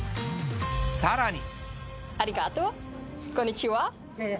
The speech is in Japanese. さらに。